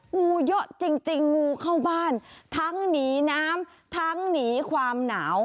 งูเยอะจริงจริงงูเข้าบ้านทั้งหนีน้ำทั้งหนีความหนาว